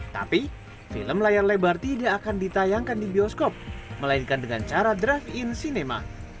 tapi film layar lebar tidak akan ditayangkan di bioskop melainkan dengan cara drive in cinema